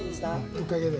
おかげで。